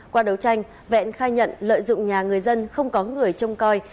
qua đấu tranh vẹn khai nhận lợi dụng nhà người dân không có người trông coi